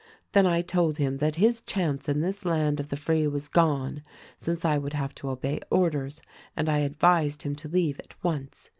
Then I told him that his chance in this land of the free was gone, since I would have to obey orders, and I advised him to leave at once.